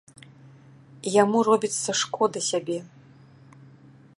Яму робіцца шкода сябе.